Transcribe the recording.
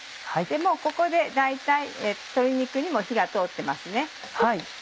もうここで大体鶏肉にも火が通ってますね。